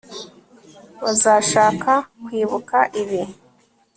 bazashaka kwibuka ibi